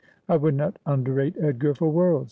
I would not underrate Edgar for worlds.